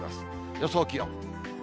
予想気温。